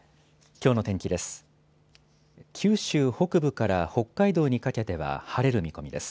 きょうの天気です。